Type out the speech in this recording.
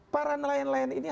para nelayan nelayan ini